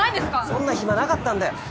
そんな暇なかったんだよ。